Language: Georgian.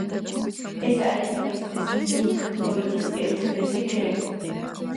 ეს არის დღეისთვის პინკ ფლოიდის ერთადერთი გრემი.